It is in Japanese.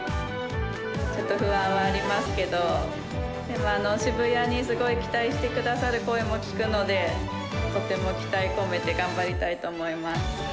ちょっと不安はありますけど、でも渋谷にすごい期待してくださる声も聞くので、とても期待込めて、頑張りたいと思います。